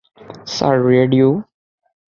Sir, radio!